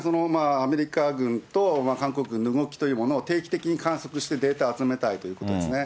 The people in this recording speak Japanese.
アメリカ軍と韓国軍の動きというものを、定期的に観測して、データ集めたりということですね。